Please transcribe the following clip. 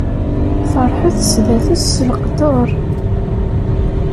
Ferḥet sdat-s s leqder.